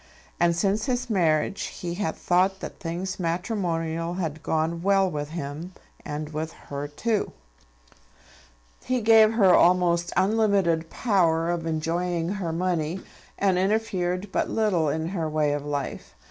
And since his marriage he had thought that things matrimonial had gone well with him, and with her too. He gave her almost unlimited power of enjoying her money, and interfered but little in her way of life.